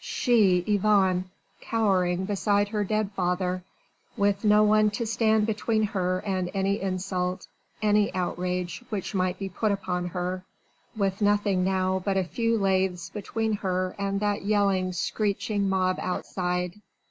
she, Yvonne, cowering beside her dead father, with no one to stand between her and any insult, any outrage which might be put upon her, with nothing now but a few laths between her and that yelling, screeching mob outside.